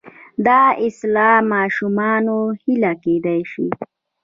دا اصلاً ماشومانه هیله کېدای شي.